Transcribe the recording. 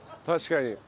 確かに。